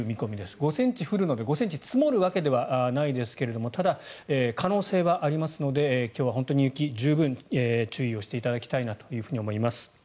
５ｃｍ降るので５ｃｍ積もるわけではありませんがただ、可能性はありますので今日は雪に十分注意していただきたいなと思います。